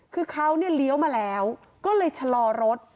คือเขาเนี่ยเลี้ยวมาแล้วก็เลยชะลอรถ